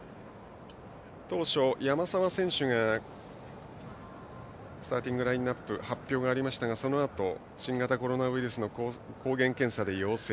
当初、山沢選手がスターティングラインナップに発表がありましたが、そのあと新型コロナウイルスの抗原検査で陽性。